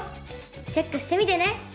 チェックしてみてね！